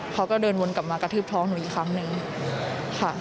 เขาก็เดินวนกลับมากระทืบท้องหนูอีกครั้งหนึ่งค่ะ